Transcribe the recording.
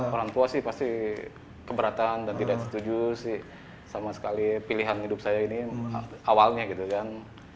orang tua sih pasti keberatan dan tidak setuju sih sama sekali pilihan hidup saya ini awalnya gitu kan